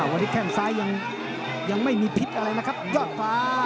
วันนี้แข้งซ้ายยังไม่มีพิษอะไรนะครับยอดฟ้า